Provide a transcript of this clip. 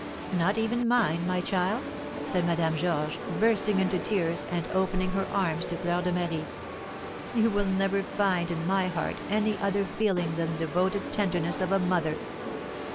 "Not even mine, my child?" said Madame Georges, bursting into tears, and opening her arms to Fleur de Marie, "you will never find in my heart any other feeling than the devoted tenderness of a mother.